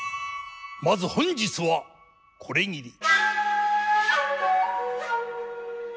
まず本日はこれぎり。